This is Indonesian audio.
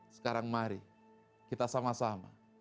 sekarang mari kita sama sama